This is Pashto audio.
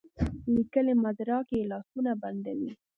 لیکلي مدارک یې لاسونه بندوي.